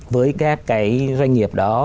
với các cái doanh nghiệp đó